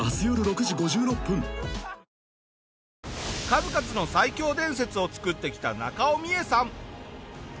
数々の最強伝説を作ってきた中尾ミエさん。